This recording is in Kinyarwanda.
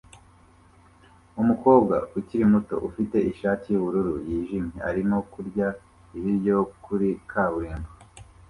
Umukobwa ukiri muto ufite ishati yubururu yijimye arimo kurya ibiryo kuri kaburimbo